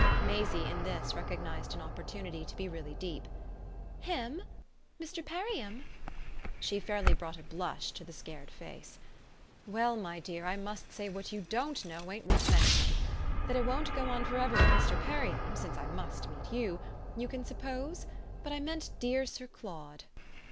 Maisie, in this, recognised an opportunity to be really deep. "'Him'? Mr. Perriam?" She fairly brought a blush to the scared face. "Well, my dear, I must say what you DON'T know ain't worth mentioning. That it won't go on for ever with Mr. Perriam since I MUST meet you you can suppose? But I meant dear Sir Claude."